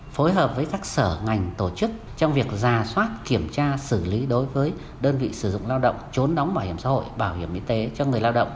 phối hợp với các sở ngành tổ chức trong việc giả soát kiểm tra xử lý đối với đơn vị sử dụng lao động trốn đóng bảo hiểm xã hội bảo hiểm y tế cho người lao động